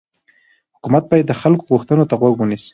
حکومت باید د خلکو غوښتنو ته غوږ ونیسي